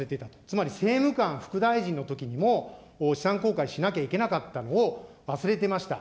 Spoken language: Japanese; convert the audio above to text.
つまり政務官副大臣のときにも、資産公開しなきゃいけなかったのを忘れてました。